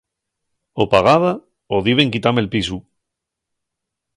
O pagaba o diben quitame'l pisu.